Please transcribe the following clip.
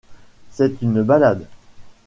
C'est une ballade.